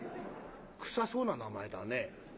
「臭そうな名前だね」。